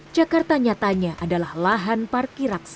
jakarta nyatanya adalah lahan parkir raksasa